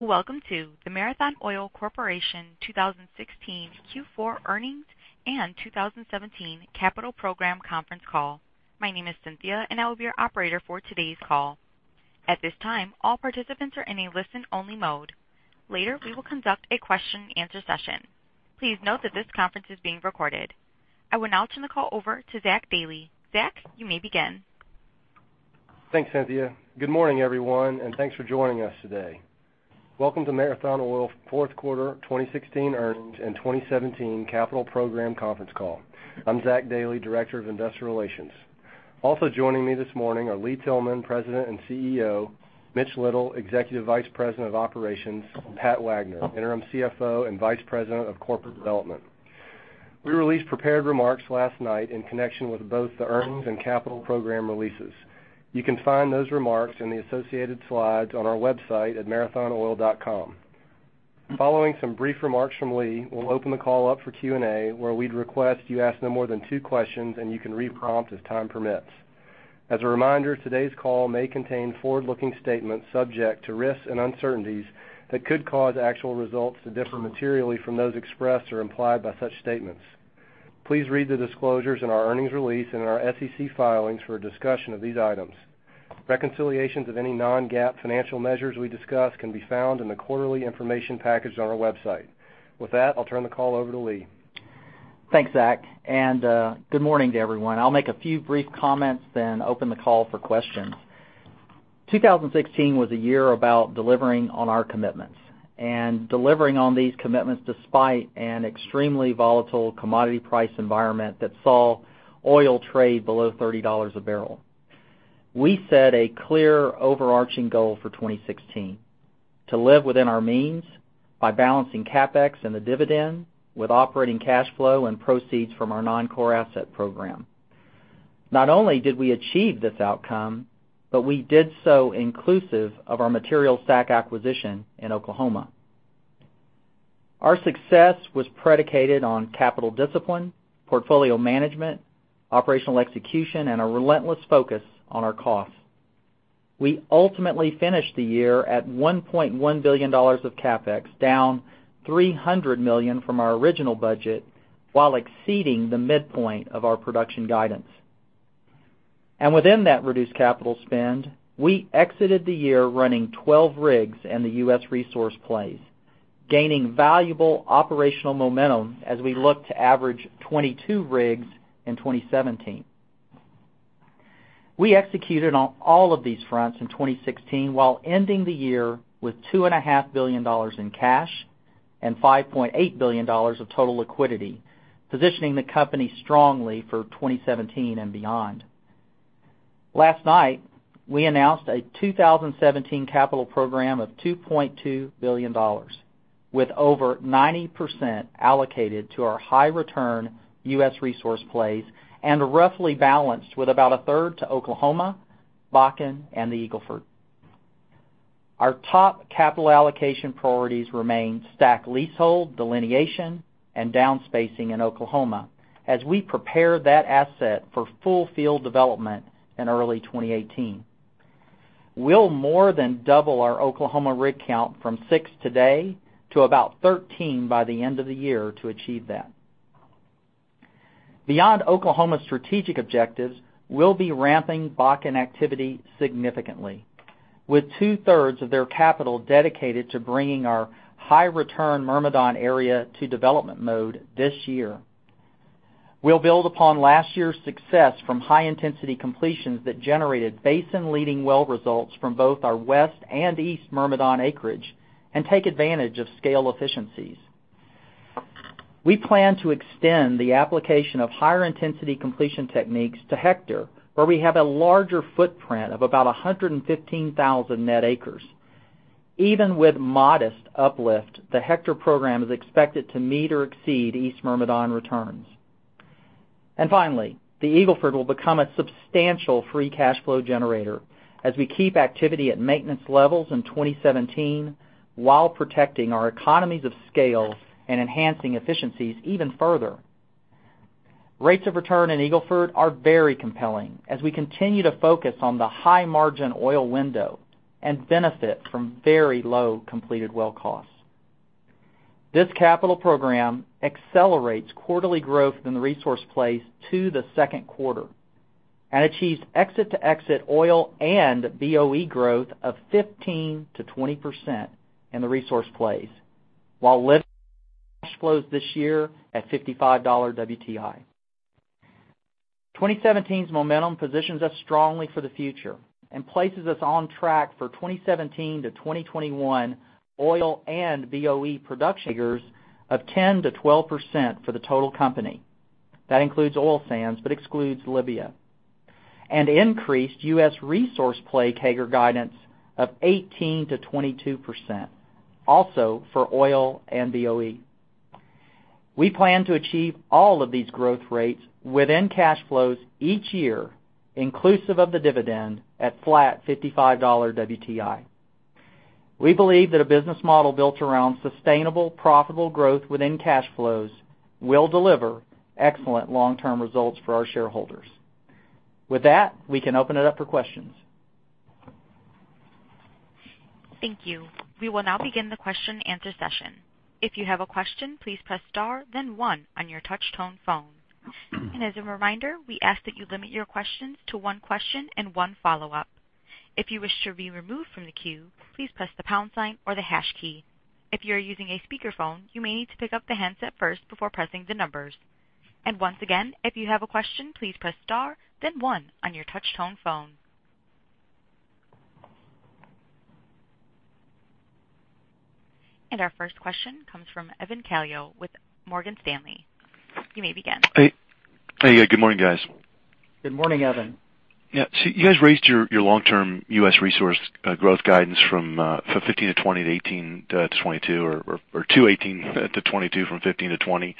Welcome to the Marathon Oil Corporation 2016 Q4 Earnings and 2017 Capital Program Conference call. My name is Cynthia, and I will be your operator for today's call. At this time, all participants are in a listen-only mode. Later, we will conduct a question and answer session. Please note that this conference is being recorded. I will now turn the call over to Zach Dailey. Zach, you may begin. Thanks, Cynthia. Good morning, everyone, and thanks for joining us today. Welcome to Marathon Oil fourth quarter 2016 earnings and 2017 Capital Program conference call. I'm Zach Dailey, director of investor relations. Also joining me this morning are Lee Tillman, President and CEO, Mitch Little, Executive Vice President of Operations, Pat Wagner, Interim CFO and Vice President of Corporate Development. We released prepared remarks last night in connection with both the earnings and capital program releases. You can find those remarks in the associated slides on our website at marathonoil.com. Following some brief remarks from Lee, we'll open the call up for Q&A, where we'd request you ask no more than two questions, and you can reprompt as time permits. As a reminder, today's call may contain forward-looking statements subject to risks and uncertainties that could cause actual results to differ materially from those expressed or implied by such statements. Please read the disclosures in our earnings release and in our SEC filings for a discussion of these items. Reconciliations of any non-GAAP financial measures we discuss can be found in the quarterly information package on our website. With that, I'll turn the call over to Lee. Thanks, Zach, and good morning to everyone. I'll make a few brief comments, then open the call for questions. 2016 was a year about delivering on our commitments and delivering on these commitments despite an extremely volatile commodity price environment that saw oil trade below $30 a barrel. We set a clear overarching goal for 2016: to live within our means by balancing CapEx and the dividend with operating cash flow and proceeds from our non-core asset program. Not only did we achieve this outcome, but we did so inclusive of our material STACK acquisition in Oklahoma. Our success was predicated on capital discipline, portfolio management, operational execution, and a relentless focus on our costs. We ultimately finished the year at $1.1 billion of CapEx, down $300 million from our original budget while exceeding the midpoint of our production guidance. Within that reduced capital spend, we exited the year running 12 rigs in the U.S. resource plays, gaining valuable operational momentum as we look to average 22 rigs in 2017. We executed on all of these fronts in 2016 while ending the year with $2.5 billion in cash and $5.8 billion of total liquidity, positioning the company strongly for 2017 and beyond. Last night, we announced a 2017 capital program of $2.2 billion, with over 90% allocated to our high-return U.S. resource plays and roughly balanced with about a third to Oklahoma, Bakken, and the Eagle Ford. Our top capital allocation priorities remain STACK leasehold delineation and downspacing in Oklahoma as we prepare that asset for full field development in early 2018. We'll more than double our Oklahoma rig count from six today to about 13 by the end of the year to achieve that. Beyond Oklahoma strategic objectives, we'll be ramping Bakken activity significantly, with two-thirds of their capital dedicated to bringing our high-return Myrmidon area to development mode this year. We'll build upon last year's success from high-intensity completions that generated basin-leading well results from both our West and East Myrmidon acreage and take advantage of scale efficiencies. We plan to extend the application of higher intensity completion techniques to Hector, where we have a larger footprint of about 115,000 net acres. Even with modest uplift, the Hector program is expected to meet or exceed East Myrmidon returns. Finally, the Eagle Ford will become a substantial free cash flow generator as we keep activity at maintenance levels in 2017 while protecting our economies of scale and enhancing efficiencies even further. Rates of return in Eagle Ford are very compelling as we continue to focus on the high-margin oil window and benefit from very low completed well costs. This capital program accelerates quarterly growth in the resource plays to the second quarter and achieves exit-to-exit oil and BOE growth of 15%-20% in the resource plays, while lifting cash flows this year at $55 WTI. 2017's momentum positions us strongly for the future and places us on track for 2017 to 2021 oil and BOE production figures of 10%-12% for the total company. That includes oil sands but excludes Libya. Increased U.S. resource play CAGR guidance of 18%-22%, also for oil and BOE. We plan to achieve all of these growth rates within cash flows each year, inclusive of the dividend at flat $55 WTI. We believe that a business model built around sustainable, profitable growth within cash flows will deliver excellent long-term results for our shareholders. With that, we can open it up for questions. Thank you. We will now begin the question answer session. If you have a question, please press star then one on your touch-tone phone. As a reminder, we ask that you limit your questions to one question and one follow-up. If you wish to be removed from the queue, please press the pound sign or the hash key. If you are using a speakerphone, you may need to pick up the handset first before pressing the numbers. Once again, if you have a question, please press star then one on your touch-tone phone. Our first question comes from Evan Calio with Morgan Stanley. You may begin. Hey. Good morning, guys. Good morning, Evan. Yeah. You guys raised your long-term U.S. resource growth guidance from 15-20 to 18-22, or to 18-22 from 15-20,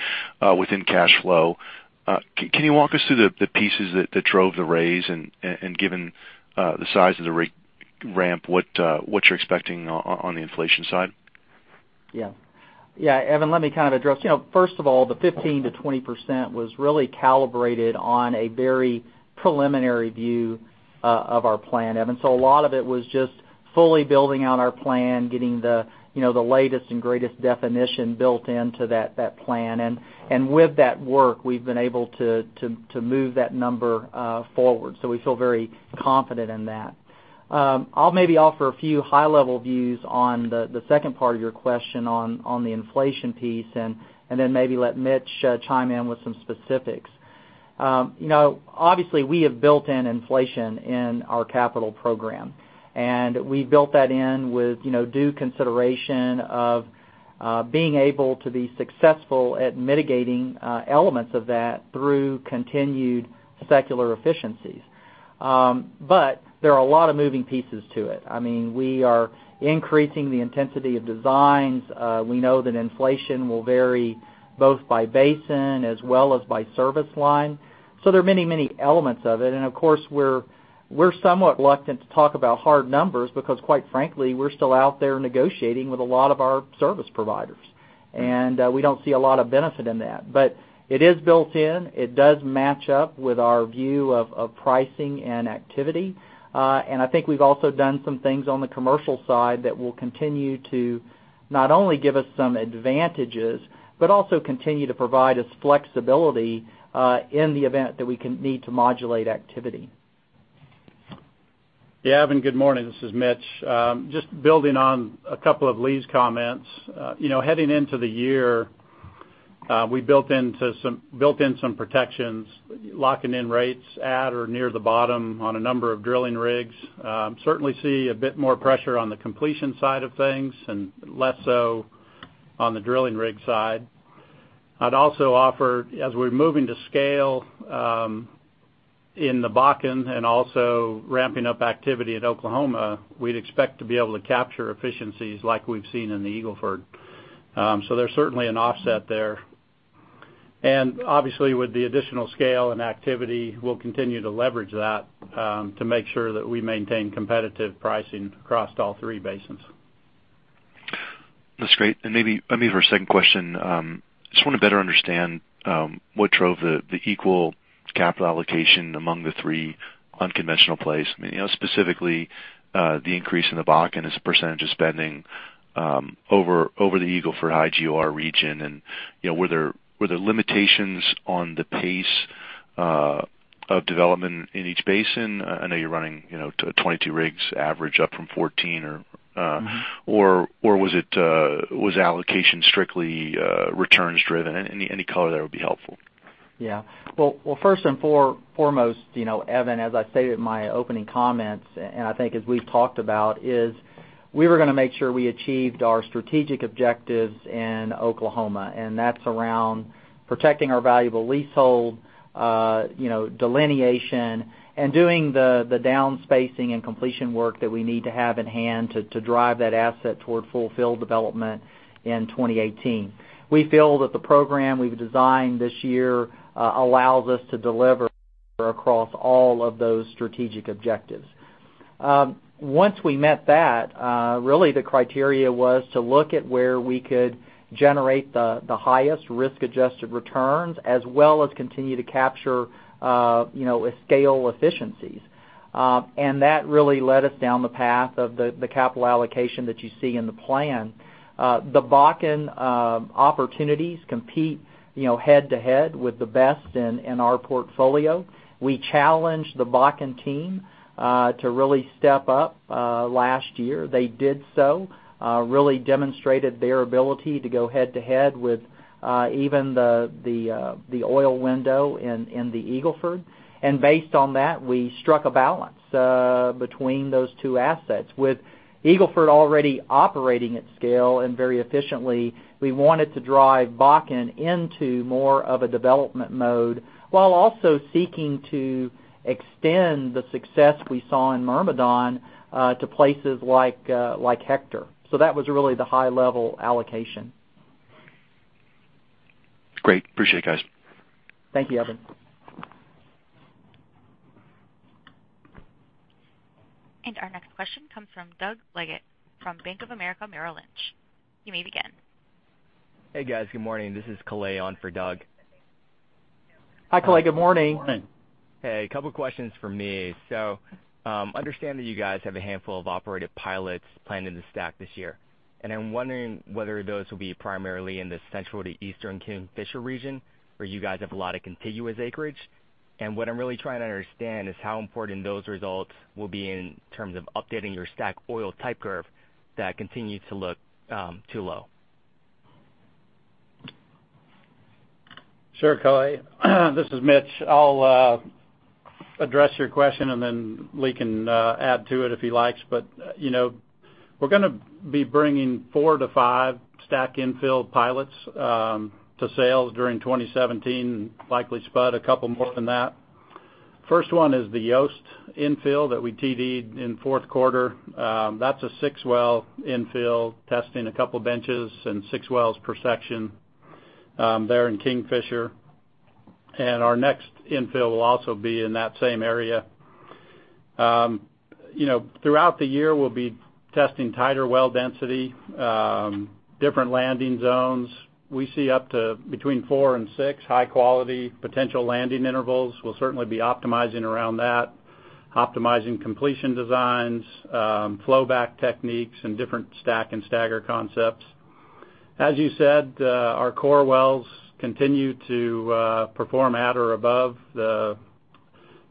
within cash flow. Can you walk us through the pieces that drove the raise and given the size of the rig ramp, what you're expecting on the inflation side? Evan, let me address. First of all, the 15%-20% was really calibrated on a very preliminary view of our plan, Evan. A lot of it was just fully building out our plan, getting the latest and greatest definition built into that plan. With that work, we've been able to move that number forward. We feel very confident in that. I'll maybe offer a few high-level views on the second part of your question on the inflation piece and then maybe let Mitch chime in with some specifics. Obviously, we have built in inflation in our capital program, and we built that in with due consideration of being able to be successful at mitigating elements of that through continued secular efficiencies. There are a lot of moving pieces to it. We are increasing the intensity of designs. We know that inflation will vary both by basin as well as by service line. There are many elements of it, and of course, we're somewhat reluctant to talk about hard numbers because quite frankly, we're still out there negotiating with a lot of our service providers. We don't see a lot of benefit in that. It is built in. It does match up with our view of pricing and activity. I think we've also done some things on the commercial side that will continue to not only give us some advantages, but also continue to provide us flexibility in the event that we need to modulate activity. Evan, good morning. This is Mitch. Just building on a couple of Lee's comments. Heading into the year, we built in some protections, locking in rates at or near the bottom on a number of drilling rigs. Certainly see a bit more pressure on the completion side of things and less so on the drilling rig side. I'd also offer, as we're moving to scale in the Bakken and also ramping up activity at Oklahoma, we'd expect to be able to capture efficiencies like we've seen in the Eagle Ford. There's certainly an offset there. Obviously with the additional scale and activity, we'll continue to leverage that to make sure that we maintain competitive pricing across all three basins. That's great. Maybe for a second question, just want to better understand what drove the equal capital allocation among the three unconventional plays. Specifically, the increase in the Bakken as a percentage of spending over the Eagle Ford high-GOR region, and were there limitations on the pace of development in each basin? I know you're running to 22 rigs average up from 14, or was allocation strictly returns driven? Any color there would be helpful. Well, first and foremost, Evan, as I stated in my opening comments, and I think as we've talked about, is we were going to make sure we achieved our strategic objectives in Oklahoma, and that's around protecting our valuable leasehold, delineation, and doing the down spacing and completion work that we need to have in hand to drive that asset toward full field development in 2018. We feel that the program we've designed this year allows us to deliver across all of those strategic objectives. Once we met that, really the criteria was to look at where we could generate the highest risk-adjusted returns as well as continue to capture scale efficiencies. That really led us down the path of the capital allocation that you see in the plan. The Bakken opportunities compete head-to-head with the best in our portfolio. We challenged the Bakken team to really step up last year. They did so, really demonstrated their ability to go head-to-head with even the oil window in the Eagle Ford. Based on that, we struck a balance between those two assets. With Eagle Ford already operating at scale and very efficiently, we wanted to drive Bakken into more of a development mode while also seeking to extend the success we saw in Myrmidon to places like Hector. That was really the high-level allocation. Great. Appreciate it, guys. Thank you, Evan. Our next question comes from Doug Leggate from Bank of America Merrill Lynch. You may begin. Hey, guys. Good morning. This is Kalei on for Doug. Hi, Kalei. Good morning. Good morning. Hey, a couple questions from me. Understand that you guys have a handful of operated pilots planned in the STACK this year, I'm wondering whether those will be primarily in the central to eastern Kingfisher region, where you guys have a lot of contiguous acreage. What I'm really trying to understand is how important those results will be in terms of updating your STACK oil type curve that continues to look too low. Sure, Kalei. This is Mitch. I'll address your question, Lee can add to it if he likes. We're gonna be bringing four to five STACK infill pilots to sales during 2017, likely spud a couple more than that. First one is the Yost infill that we TD'd in fourth quarter. That's a six-well infill, testing a couple of benches and six wells per section there in Kingfisher. Our next infill will also be in that same area. Throughout the year, we'll be testing tighter well density, different landing zones. We see up to between four and six high-quality potential landing intervals. We'll certainly be optimizing around that, optimizing completion designs, flow back techniques, and different stack and stagger concepts. As you said, our core wells continue to perform at or above the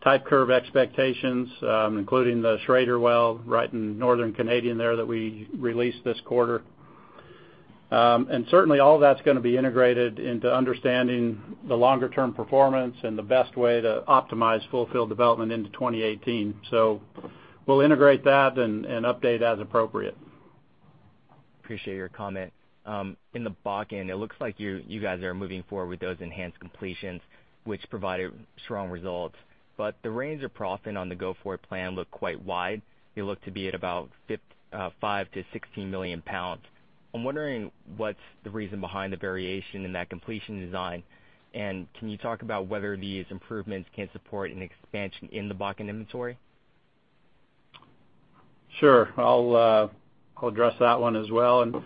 type curve expectations, including the Schrader well right in Northern Canadian there that we released this quarter. Certainly, all that's gonna be integrated into understanding the longer-term performance and the best way to optimize full fill development into 2018. We'll integrate that and update as appropriate. Appreciate your comment. In the Bakken, it looks like you guys are moving forward with those enhanced completions, which provided strong results. The range of proppant on the go-forward plan look quite wide. They look to be at about 5 to 16 million pounds. I'm wondering what's the reason behind the variation in that completion design, can you talk about whether these improvements can support an expansion in the Bakken inventory? Sure. I'll address that one as well.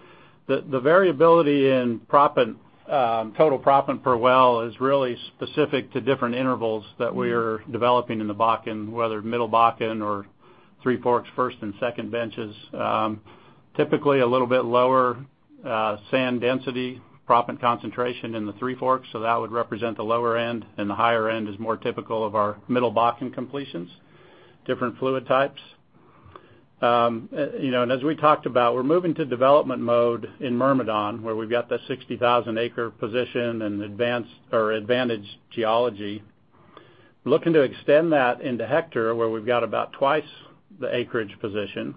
The variability in total proppant per well is really specific to different intervals that we're developing in the Bakken, whether Middle Bakken or Three Forks first and second benches. Typically, a little bit lower sand density proppant concentration in the Three Forks, so that would represent the lower end, and the higher end is more typical of our Middle Bakken completions, different fluid types. As we talked about, we're moving to development mode in Myrmidon, where we've got the 60,000-acre position and advantaged geology. Looking to extend that into Hector, where we've got about twice the acreage position.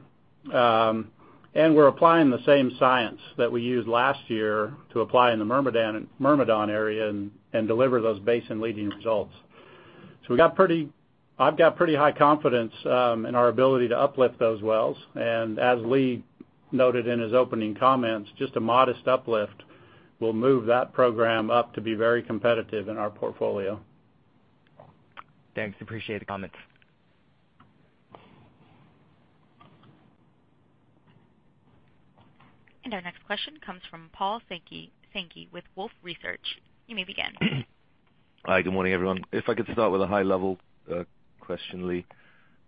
We're applying the same science that we used last year to apply in the Myrmidon area and deliver those basin-leading results. I've got pretty high confidence in our ability to uplift those wells. As Lee noted in his opening comments, just a modest uplift will move that program up to be very competitive in our portfolio. Thanks. Appreciate the comments. Our next question comes from Paul Sankey with Wolfe Research. You may begin. Hi, good morning, everyone. If I could start with a high-level question, Lee.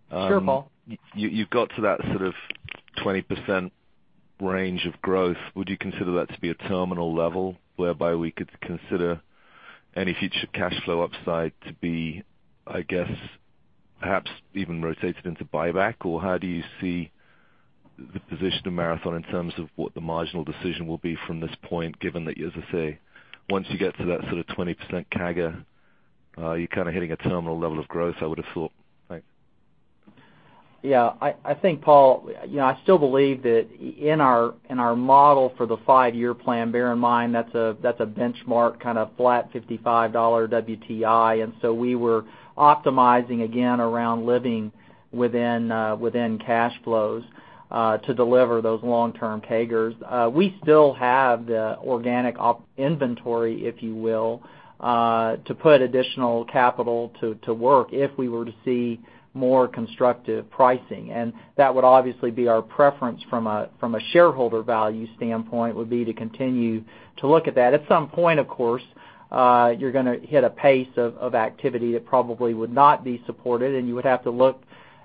Sure, Paul. You've got to that sort of 20% range of growth. Would you consider that to be a terminal level, whereby we could consider any future cash flow upside to be, I guess, perhaps even rotated into buyback? How do you see the position of Marathon in terms of what the marginal decision will be from this point, given that, as I say, once you get to that sort of 20% CAGR, are you kind of hitting a terminal level of growth, I would have thought? Thanks. Yeah. I think, Paul, I still believe that in our model for the five-year plan, bear in mind, that's a benchmark kind of flat $55 WTI. We were optimizing again around living within cash flows to deliver those long-term CAGRs. We still have the organic inventory, if you will, to put additional capital to work if we were to see more constructive pricing. That would obviously be our preference from a shareholder value standpoint, would be to continue to look at that. At some point, of course, you're gonna hit a pace of activity that probably would not be supported, and you would have to look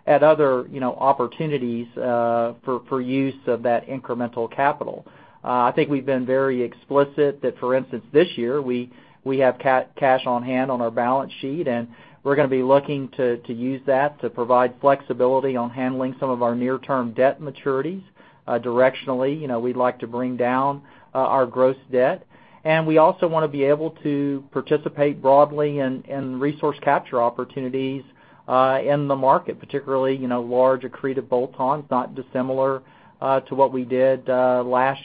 at other opportunities for use of that incremental capital. I think we've been very explicit that, for instance, this year, we have cash on hand on our balance sheet, and we're gonna be looking to use that to provide flexibility on handling some of our near-term debt maturities. Directionally, we'd like to bring down our gross debt, and we also want to be able to participate broadly in resource capture opportunities in the market, particularly large accretive bolt-ons, not dissimilar to what we did last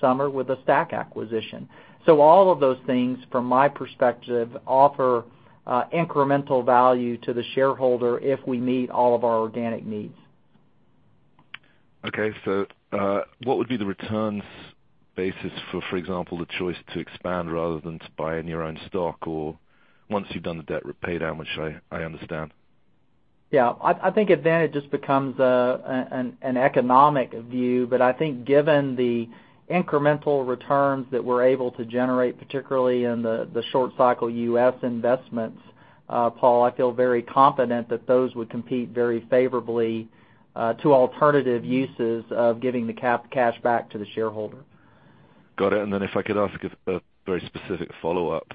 summer with the STACK acquisition. All of those things, from my perspective, offer incremental value to the shareholder if we meet all of our organic needs. Okay. What would be the returns basis, for example, the choice to expand rather than to buy in your own stock, or once you've done the debt pay down, which I understand? Yeah. I think then it just becomes an economic view. I think given the incremental returns that we're able to generate, particularly in the short cycle U.S. investments, Paul, I feel very confident that those would compete very favorably to alternative uses of giving the cap cash back to the shareholder. Got it. Then if I could ask a very specific follow-up.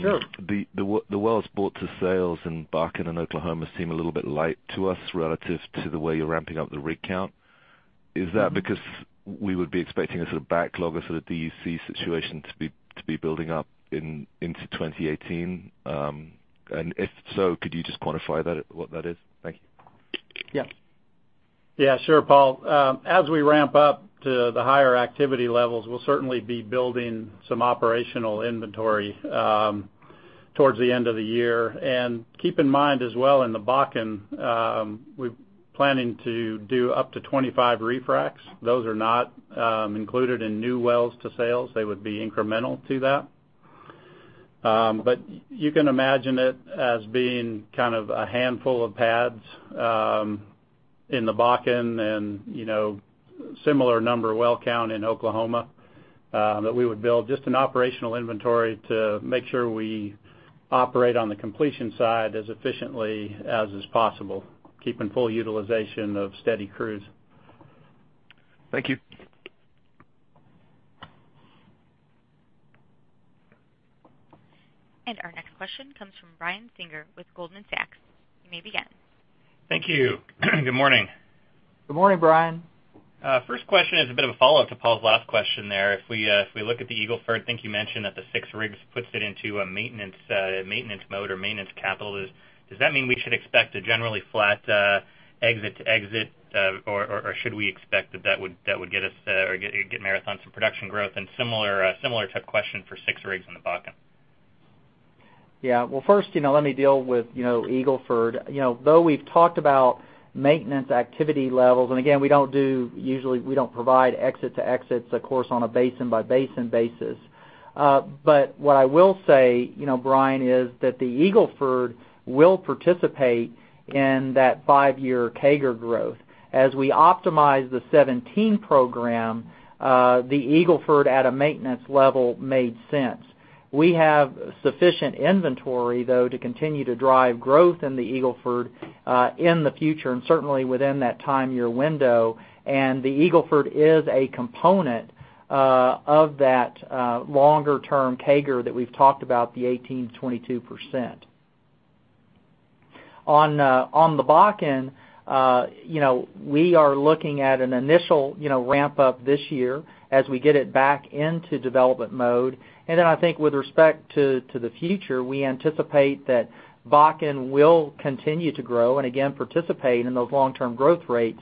Sure. The wells brought to sales in Bakken and Oklahoma seem a little bit light to us relative to the way you're ramping up the rig count. Is that because we would be expecting a sort of backlog or sort of DUC situation to be building up into 2018? If so, could you just quantify what that is? Thank you. Yeah. Yeah, sure, Paul. As we ramp up to the higher activity levels, we'll certainly be building some operational inventory towards the end of the year. Keep in mind as well, in the Bakken, we're planning to do up to 25 refracs. Those are not included in new wells to sales. They would be incremental to that. You can imagine it as being kind of a handful of pads in the Bakken and similar number well count in Oklahoma, that we would build just an operational inventory to make sure we operate on the completion side as efficiently as is possible, keeping full utilization of steady crews. Thank you. Our next question comes from Brian Singer with Goldman Sachs. You may begin. Thank you. Good morning. Good morning, Brian. First question is a bit of a follow-up to Paul's last question there. If we look at the Eagle Ford, think you mentioned that the 6 rigs puts it into a maintenance mode or maintenance capital. Does that mean we should expect a generally flat exit to exit, or should we expect that that would get Marathon some production growth? Similar type question for 6 rigs in the Bakken. Yeah. Well, first, let me deal with Eagle Ford. Though we've talked about maintenance activity levels, and again, usually we don't provide exit to exits, of course, on a basin-by-basin basis. But what I will say, Brian, is that the Eagle Ford will participate in that five-year CAGR growth. As we optimize the 2017 program, the Eagle Ford at a maintenance level made sense. We have sufficient inventory, though, to continue to drive growth in the Eagle Ford, in the future, and certainly within that time year window. The Eagle Ford is a component of that longer term CAGR that we've talked about, the 18%-22%. On the Bakken, we are looking at an initial ramp-up this year as we get it back into development mode. I think with respect to the future, we anticipate that Bakken will continue to grow and again, participate in those long-term growth rates.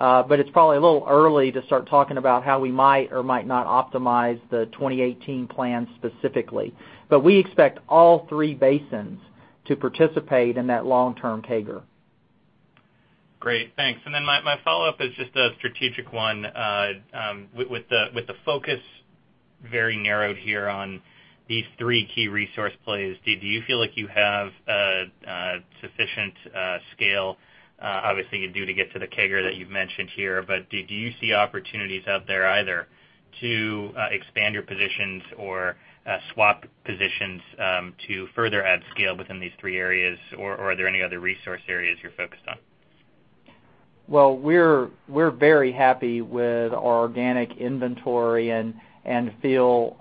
It's probably a little early to start talking about how we might or might not optimize the 2018 plan specifically. We expect all three basins to participate in that long-term CAGR. Great, thanks. My follow-up is just a strategic one. With the focus very narrowed here on these three key resource plays, do you feel like you have sufficient scale? Obviously, you do to get to the CAGR that you've mentioned here, but do you see opportunities out there either to expand your positions or swap positions to further add scale within these three areas? Are there any other resource areas you're focused on? Well, we're very happy with our organic inventory and feel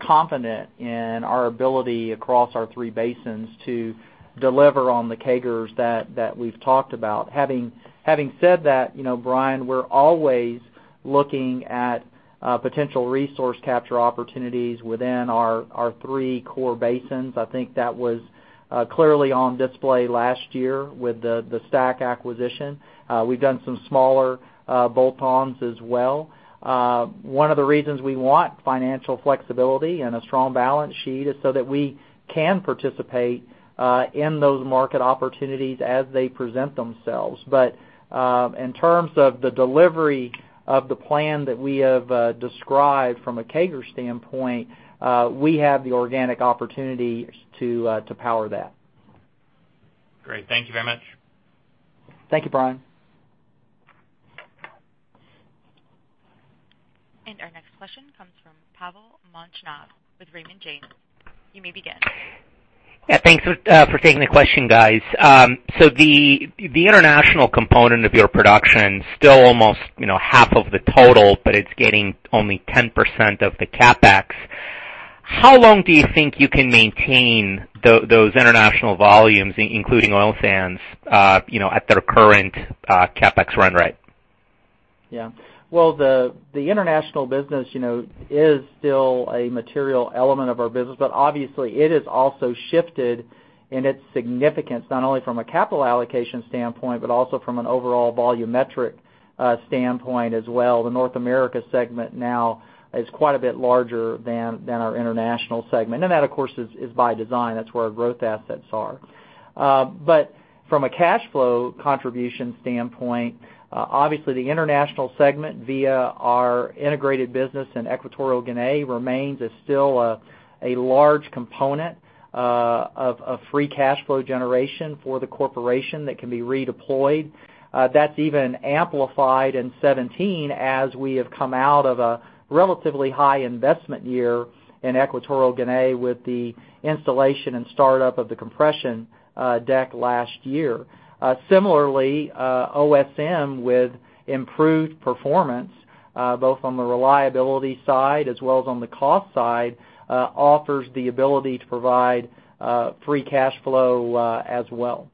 confident in our ability across our three basins to deliver on the CAGRs that we've talked about. Having said that, Brian, we're always looking at potential resource capture opportunities within our three core basins. I think that was clearly on display last year with the STACK acquisition. We've done some smaller bolt-ons as well. One of the reasons we want financial flexibility and a strong balance sheet is so that we can participate in those market opportunities as they present themselves. In terms of the delivery of the plan that we have described from a CAGR standpoint, we have the organic opportunities to power that. Great. Thank you very much. Thank you, Brian. Our next question comes from Pavel Molchanov with Raymond James. You may begin. Yeah, thanks for taking the question, guys. The international component of your production, still almost half of the total, but it's getting only 10% of the CapEx. How long do you think you can maintain those international volumes, including oil sands, at their current CapEx run rate? Yeah. Well, the international business is still a material element of our business, but obviously it has also shifted in its significance, not only from a capital allocation standpoint, but also from an overall volumetric standpoint as well. The North America segment now is quite a bit larger than our international segment, and that, of course, is by design. That's where our growth assets are. From a cash flow contribution standpoint, obviously the international segment via our integrated business in Equatorial Guinea remains as still a large component of free cash flow generation for the corporation that can be redeployed. That's even amplified in 2017 as we have come out of a relatively high investment year in Equatorial Guinea with the installation and startup of the compression deck last year. Similarly OSM with improved performance, both on the reliability side as well as on the cost side, offers the ability to provide free cash flow as well.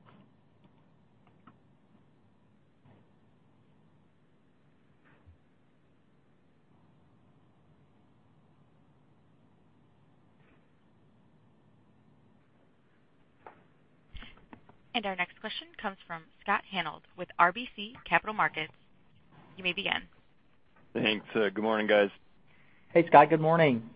Our next question comes from Scott Hanold with RBC Capital Markets. You may begin. Thanks. Good morning, guys. Hey, Scott. Good morning.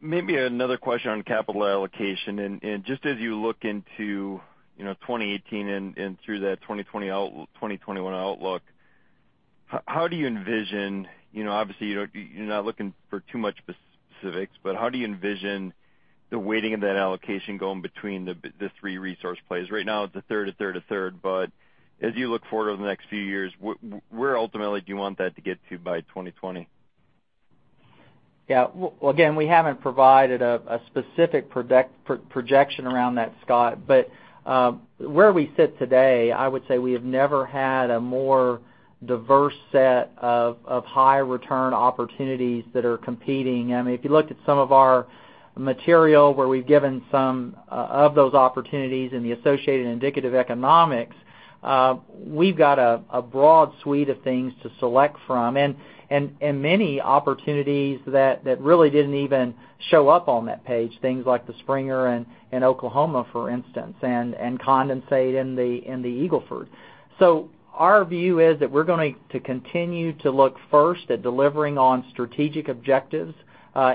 Maybe another question on capital allocation. Just as you look into 2018 and through that 2021 outlook, how do you envision, obviously you're not looking for too much specifics, but how do you envision the weighting of that allocation going between the three resource plays? Right now it's a third, a third, a third, but as you look forward over the next few years, where ultimately do you want that to get to by 2020? Yeah. Well, again, we haven't provided a specific projection around that, Scott. Where we sit today, I would say we have never had a more diverse set of high return opportunities that are competing. If you look at some of our material where we've given some of those opportunities and the associated indicative economics, we've got a broad suite of things to select from, and many opportunities that really didn't even show up on that page. Things like the Springer in Oklahoma, for instance, and condensate in the Eagle Ford. Our view is that we're going to continue to look first at delivering on strategic objectives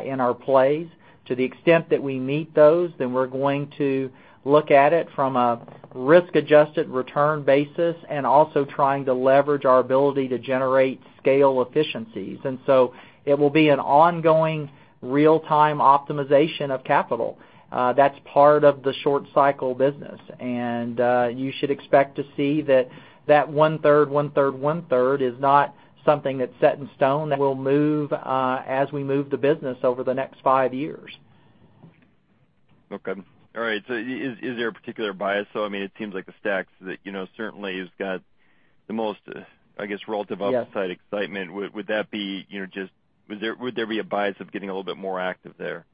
in our plays. To the extent that we meet those, we're going to look at it from a risk adjusted return basis and also trying to leverage our ability to generate scale efficiencies. It will be an ongoing real time optimization of capital. That's part of the short cycle business, and you should expect to see that that one third, one third, one third is not something that's set in stone. That will move as we move the business over the next five years. Okay. All right. Is there a particular bias, though? It seems like the STACK that certainly has got the most, I guess, Yeah upside excitement. Would there be a bias of getting a little bit more active there?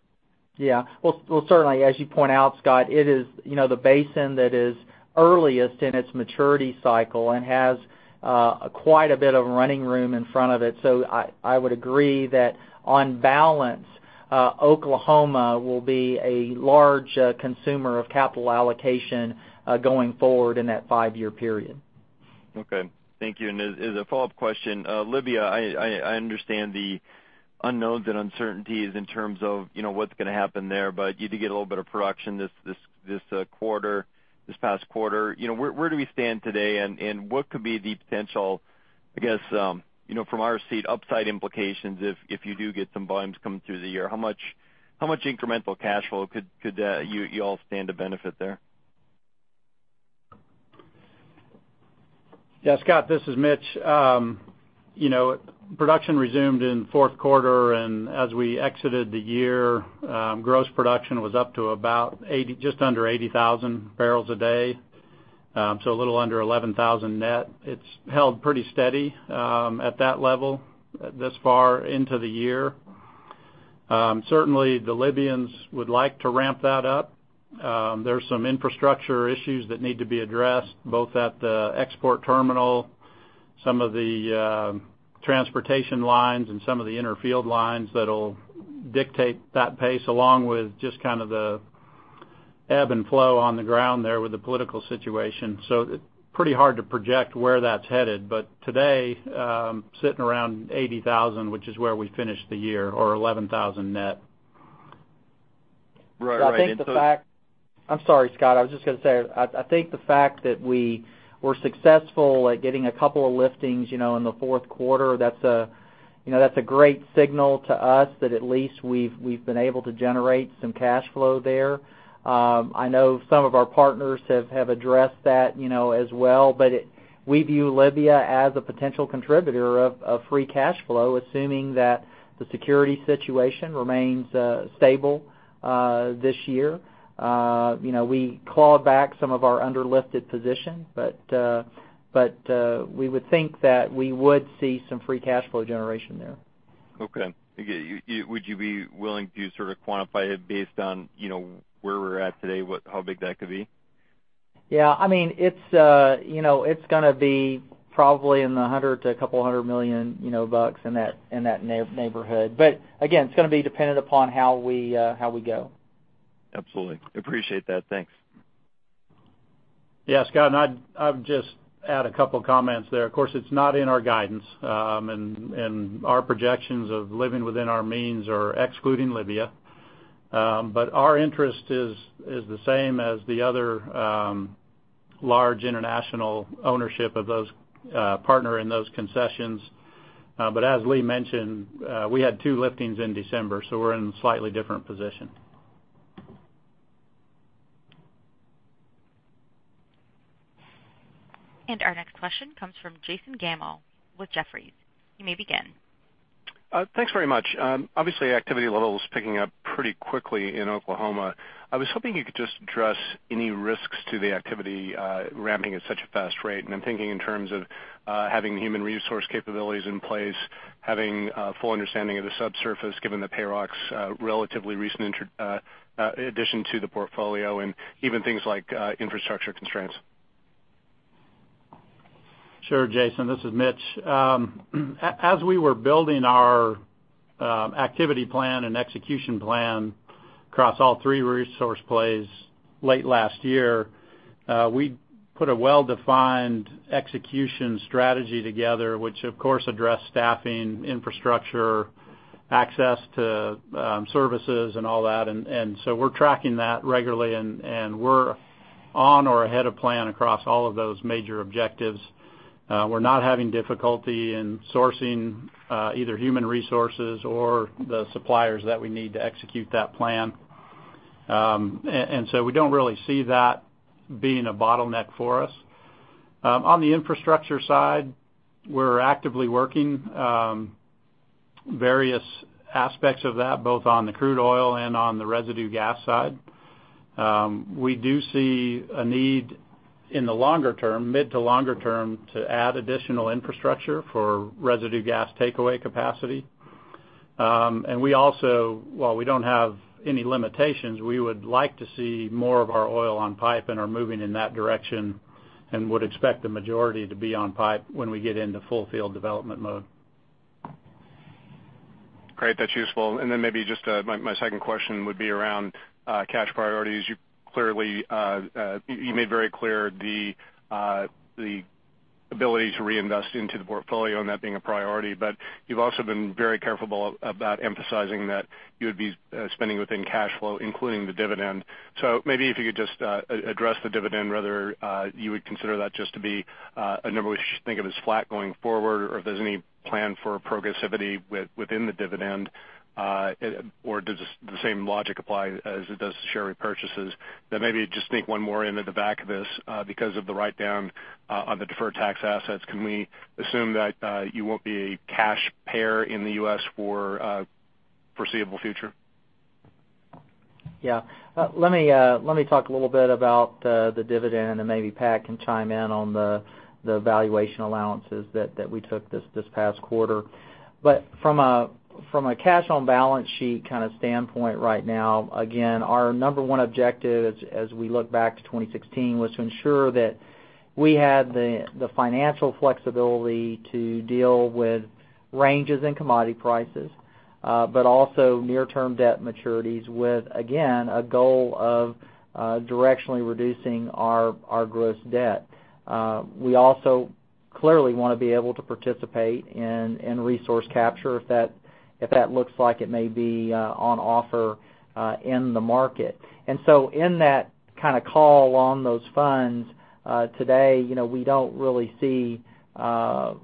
Yeah. Well, certainly, as you point out, Scott, it is the basin that is earliest in its maturity cycle and has quite a bit of running room in front of it. I would agree that on balance, Oklahoma will be a large consumer of capital allocation going forward in that five-year period. Okay. Thank you. As a follow-up question, Libya, I understand the unknowns and uncertainties in terms of what's going to happen there, you did get a little bit of production this past quarter. Where do we stand today, and what could be the potential, I guess, from our seat, upside implications if you do get some volumes coming through the year? How much incremental cash flow could you all stand to benefit there? Yeah, Scott, this is Mitch. Production resumed in fourth quarter. As we exited the year, gross production was up to about just under 80,000 barrels a day. A little under 11,000 net. It's held pretty steady at that level this far into the year. Certainly, the Libyans would like to ramp that up. There's some infrastructure issues that need to be addressed, both at the export terminal, some of the transportation lines, and some of the inner field lines that'll dictate that pace, along with just the ebb and flow on the ground there with the political situation. Pretty hard to project where that's headed. Today, sitting around 80,000, which is where we finished the year, or 11,000 net. Right. I'm sorry, Scott, I was just going to say, I think the fact that we were successful at getting a couple of liftings, in the fourth quarter, that's a great signal to us that at least we've been able to generate some cash flow there. I know some of our partners have addressed that as well. We view Libya as a potential contributor of free cash flow, assuming that the security situation remains stable this year. We clawed back some of our under-lifted position, we would think that we would see some free cash flow generation there. Okay. Would you be willing to quantify it based on where we're at today, how big that could be? Yeah. It's going to be probably in the $100 million to $200 million neighborhood. Again, it's going to be dependent upon how we go. Absolutely. Appreciate that. Thanks. Yeah, Scott, I'd just add a couple comments there. Of course, it's not in our guidance, and our projections of living within our means are excluding Libya. Our interest is the same as the other large international ownership of those partner in those concessions. As Lee mentioned, we had two liftings in December, so we're in a slightly different position. Our next question comes from Jason Gammel with Jefferies. You may begin. Thanks very much. Obviously, activity level is picking up pretty quickly in Oklahoma. I was hoping you could just address any risks to the activity ramping at such a fast rate. I'm thinking in terms of having the human resource capabilities in place, having a full understanding of the subsurface, given that PayRock's relatively recent addition to the portfolio, and even things like infrastructure constraints. Sure, Jason, this is Mitch. As we were building our activity plan and execution plan across all three resource plays late last year, we put a well-defined execution strategy together, which of course addressed staffing, infrastructure, access to services and all that. We're tracking that regularly and we're on or ahead of plan across all of those major objectives. We're not having difficulty in sourcing either human resources or the suppliers that we need to execute that plan. We don't really see that being a bottleneck for us. On the infrastructure side, we're actively working various aspects of that, both on the crude oil and on the residue gas side. We do see a need in the mid to longer term to add additional infrastructure for residue gas takeaway capacity. We also, while we don't have any limitations, we would like to see more of our oil on pipe and are moving in that direction and would expect the majority to be on pipe when we get into full field development mode. Great. That's useful. Maybe just my second question would be around cash priorities. You made very clear the ability to reinvest into the portfolio and that being a priority, but you've also been very careful about emphasizing that you would be spending within cash flow, including the dividend. Maybe if you could just address the dividend, whether you would consider that just to be a number we should think of as flat going forward, or if there's any plan for progressivity within the dividend, or does the same logic apply as it does share repurchases? Maybe just sneak one more in at the back of this. Because of the write-down on the deferred tax assets, can we assume that you won't be a cash payer in the U.S. for foreseeable future? Yeah. Let me talk a little bit about the dividend. Maybe Pat can chime in on the valuation allowances that we took this past quarter. From a cash on balance sheet kind of standpoint right now, again, our number one objective as we look back to 2016, was to ensure that we had the financial flexibility to deal with ranges in commodity prices, but also near-term debt maturities with, again, a goal of directionally reducing our gross debt. We also clearly want to be able to participate in resource capture if that looks like it may be on offer in the market. In that kind of call on those funds today, we don't really see the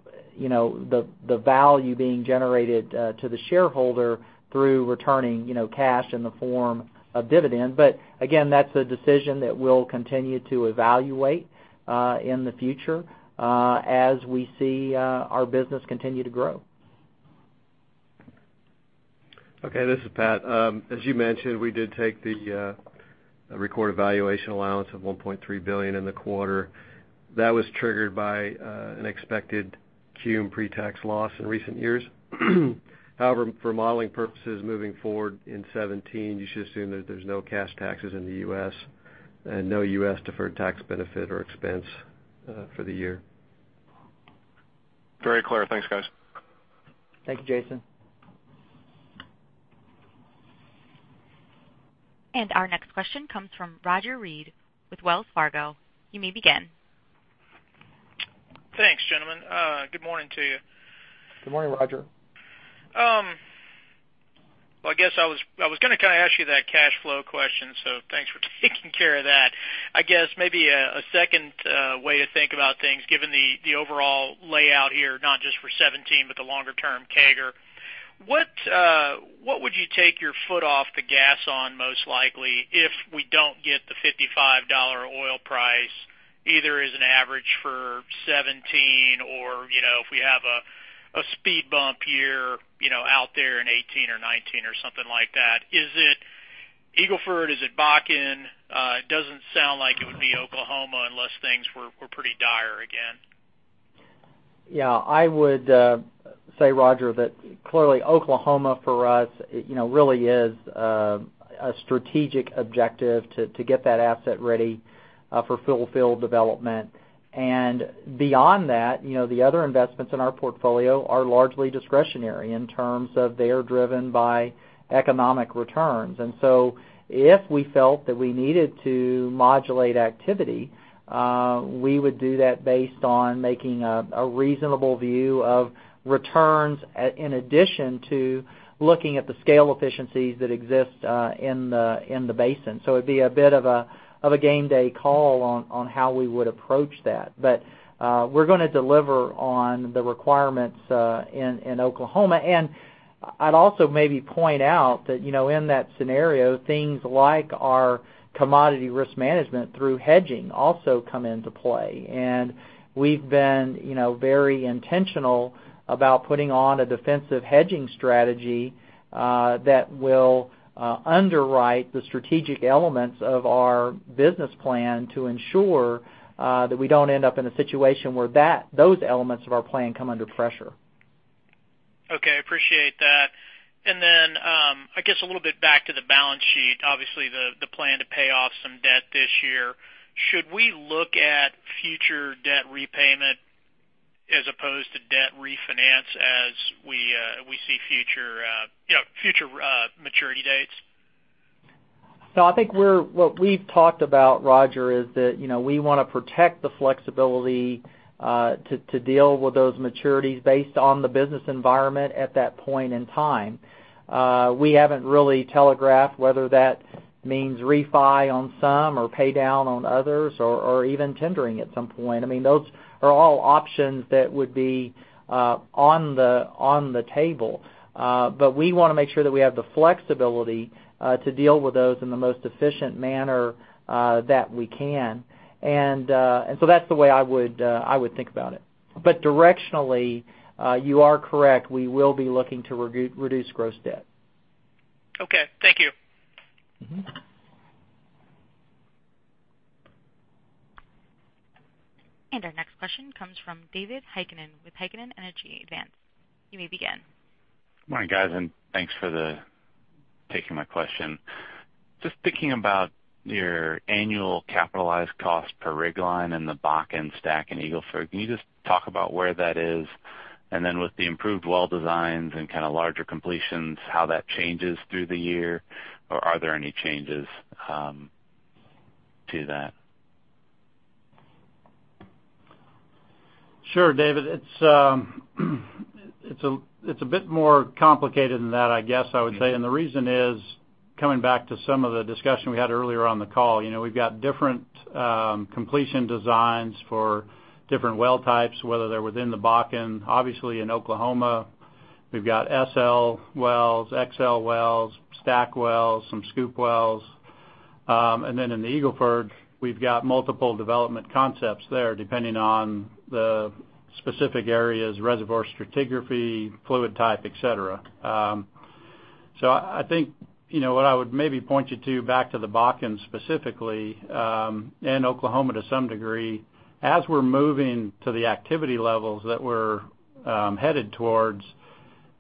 value being generated to the shareholder through returning cash in the form of dividend. Again, that's a decision that we'll continue to evaluate in the future as we see our business continue to grow. Okay, this is Pat. As you mentioned, we did take the record valuation allowance of $1.3 billion in the quarter. That was triggered by an expected cum pre-tax loss in recent years. For modeling purposes moving forward in 2017, you should assume that there's no cash taxes in the U.S. and no U.S. deferred tax benefit or expense for the year. Very clear. Thanks, guys. Thank you, Jason. Our next question comes from Roger Read with Wells Fargo. You may begin. Thanks, gentlemen. Good morning to you. Good morning, Roger. Well, I guess I was going to kind of ask you that cash flow question, so thanks for taking care of that. I guess maybe a second way to think about things, given the overall layout here, not just for 2017, but the longer term CAGR. What would you take your foot off the gas on most likely if we don't get the $55 oil price, either as an average for 2017 or if we have a speed bump here out there in 2018 or 2019 or something like that? Is it Eagle Ford? Is it Bakken? It doesn't sound like it would be Oklahoma unless things were pretty dire again. Yeah, I would say, Roger, that clearly Oklahoma for us really is a strategic objective to get that asset ready for full field development. Beyond that, the other investments in our portfolio are largely discretionary in terms of they are driven by economic returns. If we felt that we needed to modulate activity, we would do that based on making a reasonable view of returns in addition to looking at the scale efficiencies that exist in the basin. It'd be a bit of a game day call on how we would approach that. We're going to deliver on the requirements in Oklahoma. I'd also maybe point out that in that scenario, things like our commodity risk management through hedging also come into play. We've been very intentional about putting on a defensive hedging strategy that will underwrite the strategic elements of our business plan to ensure that we don't end up in a situation where those elements of our plan come under pressure. Okay. Appreciate that. Then, I guess a little bit back to the balance sheet, obviously the plan to pay off some debt this year. Should we look at future debt repayment as opposed to debt refinance as we see future maturity dates? I think what we've talked about, Roger, is that we want to protect the flexibility to deal with those maturities based on the business environment at that point in time. We haven't really telegraphed whether that means refi on some or pay down on others or even tendering at some point. Those are all options that would be on the table. We want to make sure that we have the flexibility to deal with those in the most efficient manner that we can. That's the way I would think about it. Directionally, you are correct. We will be looking to reduce gross debt. Okay. Thank you. Our next question comes from David Hikinen with Heikkinen Energy Advisors. You may begin. Good morning, guys, and thanks for taking my question. Just thinking about your annual capitalized cost per rig line in the Bakken, STACK and Eagle Ford, can you just talk about where that is? Then with the improved well designs and larger completions, how that changes through the year? Are there any changes to that? Sure, David. It's a bit more complicated than that, I would say. The reason is, coming back to some of the discussion we had earlier on the call, we've got different completion designs for different well types, whether they're within the Bakken. Obviously, in Oklahoma, we've got SL wells, XL wells, STACK wells, some SCOOP wells. Then in the Eagle Ford, we've got multiple development concepts there, depending on the specific areas, reservoir stratigraphy, fluid type, et cetera. I think what I would maybe point you to, back to the Bakken specifically, and Oklahoma to some degree, as we're moving to the activity levels that we're headed towards,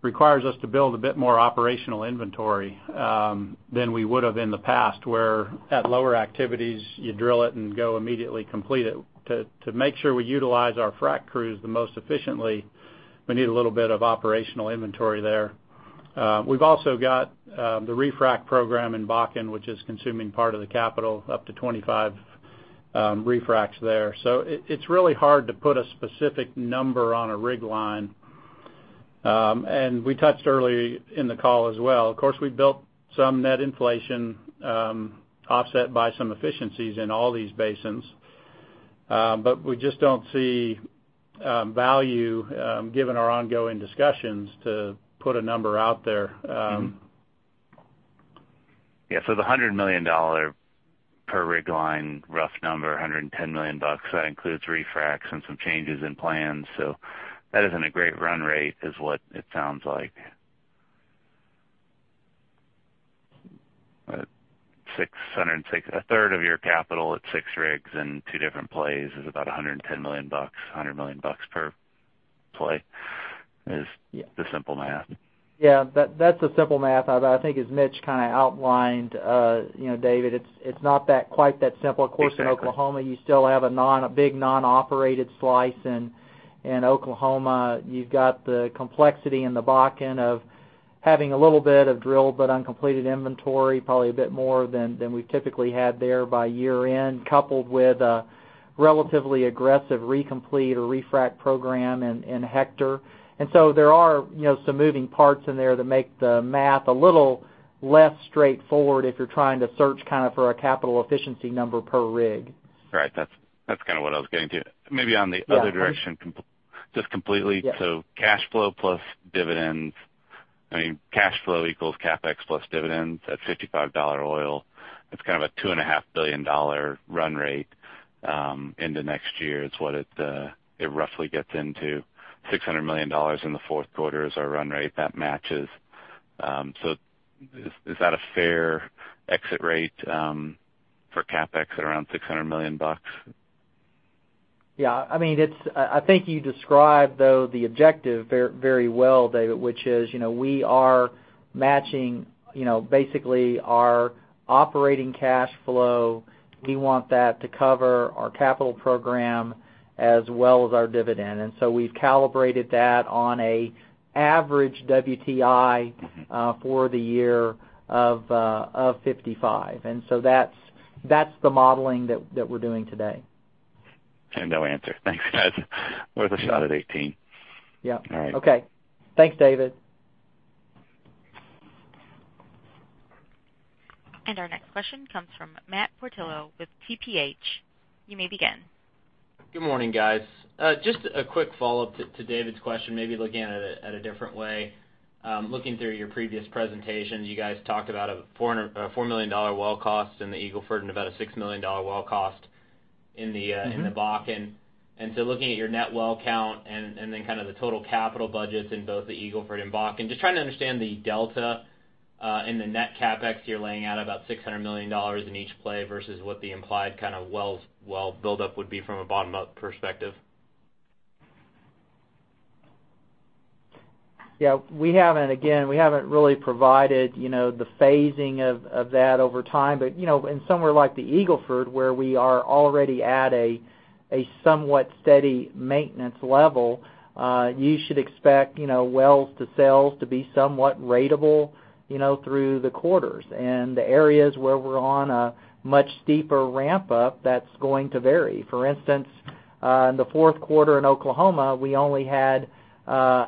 requires us to build a bit more operational inventory than we would have in the past, where at lower activities, you drill it and go immediately complete it. To make sure we utilize our frack crews the most efficiently, we need a little bit of operational inventory there. We’ve also got the refrac program in Bakken, which is consuming part of the capital, up to 25 refracs there. It’s really hard to put a specific number on a rig line. We touched early in the call as well. Of course, we built some net inflation offset by some efficiencies in all these basins. We just don’t see value given our ongoing discussions to put a number out there. Yeah. The $100 million per rig line, rough number, $110 million, that includes refracs and some changes in plans. That isn’t a great run rate is what it sounds like. A third of your capital at six rigs and two different plays is about $110 million, $100 million per play is the simple math. Yeah, that’s the simple math. I think as Mitch outlined, David, it’s not quite that simple. Exactly. Of course, in Oklahoma, you still have a big non-operated slice. In Oklahoma, you’ve got the complexity in the Bakken of having a little bit of drilled but uncompleted inventory, probably a bit more than we’ve typically had there by year-end, coupled with a relatively aggressive recomplete or refrac program in Hector. There are some moving parts in there that make the math a little less straightforward if you’re trying to search for a capital efficiency number per rig. Right. That's what I was getting to. Maybe on the other direction just completely. Yes. Cash flow equals CapEx plus dividends at $55 oil. It's a $2.5 billion run rate into next year is what it roughly gets into. $600 million in the fourth quarter is our run rate. That matches. Is that a fair exit rate for CapEx at around $600 million? Yeah. I think you described, though, the objective very well, David, which is, we are matching basically our operating cash flow. We want that to cover our capital program as well as our dividend. We've calibrated that on an average WTI for the year of $55. That's the modeling that we're doing today. No answer. Thanks, guys. Worth a shot at 18. Yeah. All right. Okay. Thanks, David. Our next question comes from Matt Portillo with TPH. You may begin. Good morning, guys. Just a quick follow-up to David's question, maybe looking at it at a different way. Looking through your previous presentations, you guys talked about a $4 million well cost in the Eagle Ford and about a $6 million well cost in the Bakken. So looking at your net well count and then the total capital budgets in both the Eagle Ford and Bakken, just trying to understand the delta in the net CapEx you're laying out about $600 million in each play versus what the implied well buildup would be from a bottom-up perspective. Yeah. Again, we haven't really provided the phasing of that over time. In somewhere like the Eagle Ford, where we are already at a somewhat steady maintenance level, you should expect wells to sales to be somewhat ratable through the quarters. The areas where we're on a much steeper ramp up, that's going to vary. For instance, in the fourth quarter in Oklahoma, we only had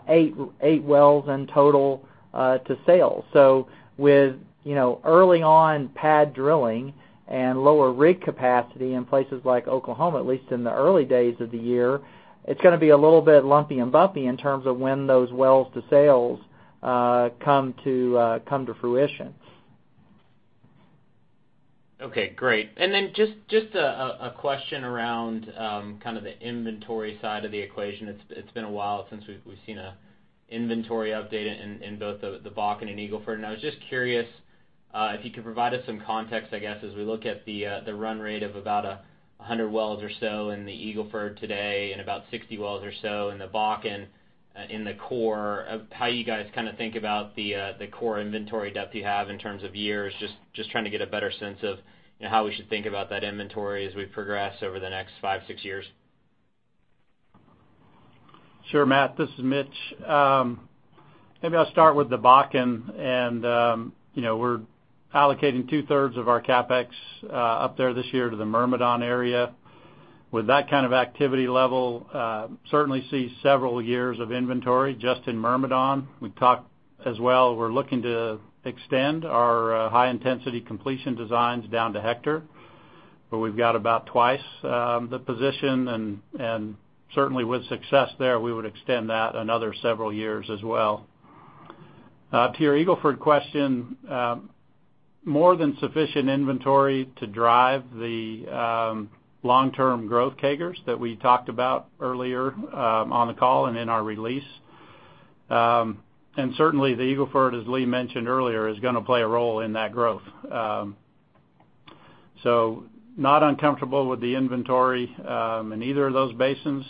eight wells in total to sale. With early on pad drilling and lower rig capacity in places like Oklahoma, at least in the early days of the year, it's going to be a little bit lumpy and bumpy in terms of when those wells to sales come to fruition. Okay. Great. Then just a question around the inventory side of the equation. It's been a while since we've seen an inventory update in both the Bakken and Eagle Ford. I was just curious if you could provide us some context, I guess, as we look at the run rate of about 100 wells or so in the Eagle Ford today and about 60 wells or so in the Bakken in the core, of how you guys think about the core inventory depth you have in terms of years. Just trying to get a better sense of how we should think about that inventory as we progress over the next five, six years. Sure, Matt. This is Mitch. Maybe I'll start with the Bakken. We're allocating two thirds of our CapEx up there this year to the Myrmidon area. With that kind of activity level, certainly see several years of inventory just in Myrmidon. We talked as well, we're looking to extend our high intensity completion designs down to Hector, where we've got about twice the position, and certainly with success there, we would extend that another several years as well. To your Eagle Ford question, more than sufficient inventory to drive the long-term growth CAGRs that we talked about earlier on the call and in our release. Certainly the Eagle Ford, as Lee mentioned earlier, is going to play a role in that growth. Not uncomfortable with the inventory in either of those basins.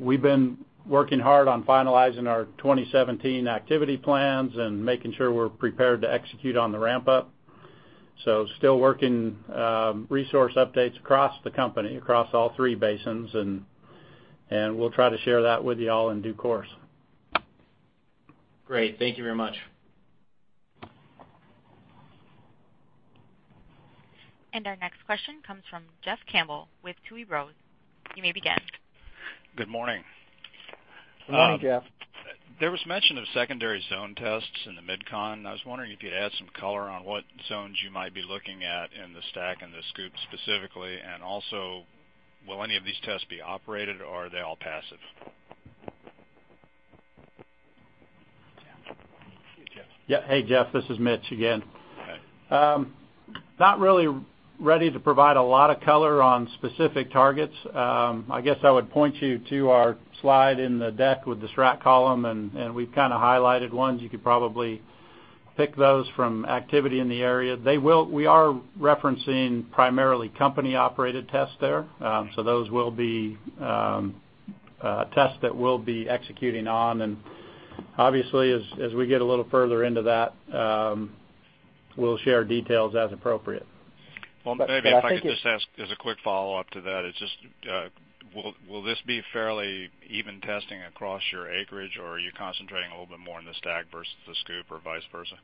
We've been working hard on finalizing our 2017 activity plans and making sure we're prepared to execute on the ramp up. Still working resource updates across the company, across all three basins, we'll try to share that with you all in due course. Great. Thank you very much. Our next question comes from Jeff Campbell with Tuohy Glimp. You may begin. Good morning. Good morning, Jeff. There was mention of secondary zone tests in the MidCon. I was wondering if you'd add some color on what zones you might be looking at in the STACK and the SCOOP specifically, and also, will any of these tests be operated or are they all passive? Jeff? Jeff. Yeah. Hey, Jeff, this is Mitch again. Hi. Not really ready to provide a lot of color on specific targets. I guess I would point you to our slide in the deck with the strat column. We've highlighted ones. You could probably pick those from activity in the area. We are referencing primarily company-operated tests there. Those will be tests that we'll be executing on. Obviously, as we get a little further into that, we'll share details as appropriate. Well, maybe if I could just ask, as a quick follow-up to that, will this be fairly even testing across your acreage, or are you concentrating a little bit more on the STACK versus the SCOOP or vice versa?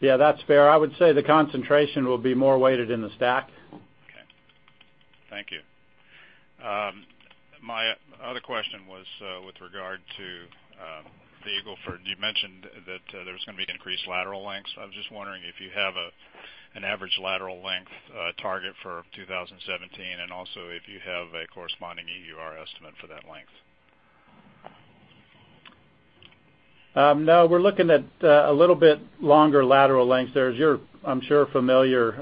Yeah, that's fair. I would say the concentration will be more weighted in the STACK. Okay. Thank you. My other question was with regard to the Eagle Ford. You mentioned that there was going to be increased lateral lengths. I was just wondering if you have an average lateral length target for 2017, and also if you have a corresponding EUR estimate for that length. No, we're looking at a little bit longer lateral lengths there. As you're, I'm sure, familiar,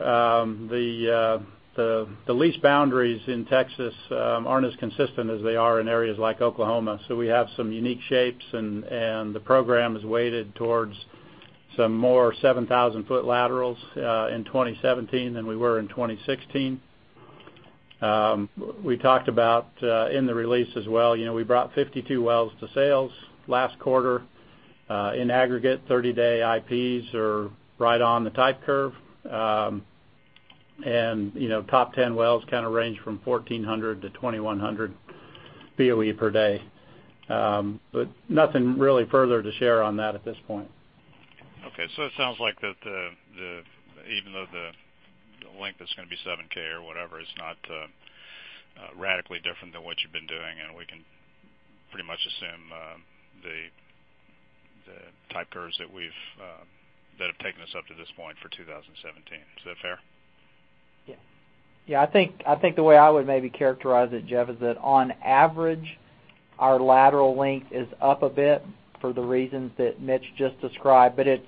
the lease boundaries in Texas aren't as consistent as they are in areas like Oklahoma. We have some more 7,000-foot laterals in 2017 than we were in 2016. We talked about in the release as well, we brought 52 wells to sales last quarter. In aggregate, 30-day IPs are right on the type curve. Top 10 wells kind of range from 1,400 to 2,100 BOE per day. Nothing really further to share on that at this point. Okay, it sounds like that even though the length is going to be 7K or whatever, it's not radically different than what you've been doing, and we can pretty much assume the type curves that have taken us up to this point for 2017. Is that fair? Yeah. I think the way I would maybe characterize it, Jeff, is that on average, our lateral length is up a bit for the reasons that Mitch just described, but it's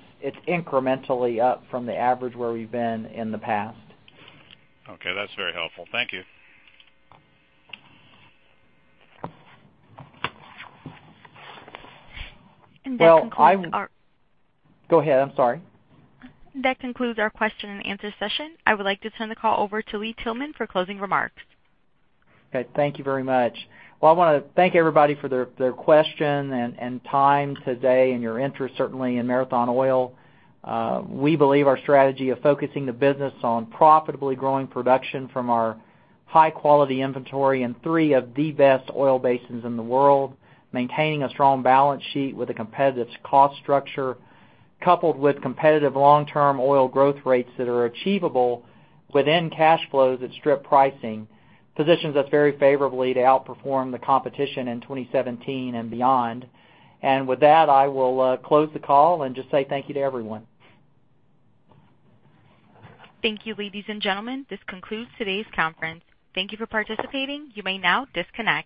incrementally up from the average where we've been in the past. Okay, that's very helpful. Thank you. That concludes our- Well, Go ahead, I'm sorry. That concludes our question and answer session. I would like to turn the call over to Lee Tillman for closing remarks. Okay. Thank you very much. Well, I want to thank everybody for their question and time today and your interest, certainly, in Marathon Oil. We believe our strategy of focusing the business on profitably growing production from our high-quality inventory in three of the best oil basins in the world, maintaining a strong balance sheet with a competitive cost structure, coupled with competitive long-term oil growth rates that are achievable within cash flows at strip pricing, positions us very favorably to outperform the competition in 2017 and beyond. With that, I will close the call and just say thank you to everyone. Thank you, ladies and gentlemen. This concludes today's conference. Thank you for participating. You may now disconnect.